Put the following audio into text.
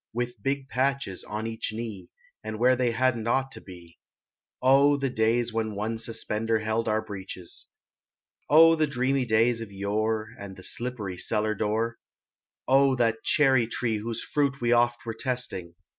With big patches on each knee, And where they hadn t ought to be. Oh ! the days when one suspender Held our breeches. Oil ! the dreamy days of yore, And the slippery cellar door. Oh ! that cherry tree whose fruit we oft Were testing.